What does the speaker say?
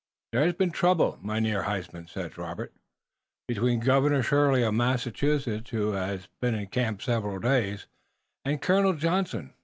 "There has been trouble, Mynheer Huysman," said Robert, "between Governor Shirley of Massachusetts, who has been in camp several days, and Colonel Johnson.